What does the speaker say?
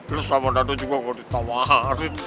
lu sama dado juga nggak ditawarin